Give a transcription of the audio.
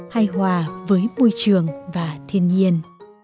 hay hòa với môi trường và thiên nhiên